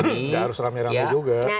tidak harus ramai ramai juga